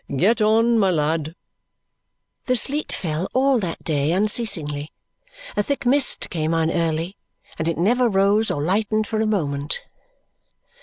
Get on, my lad!" The sleet fell all that day unceasingly, a thick mist came on early, and it never rose or lightened for a moment.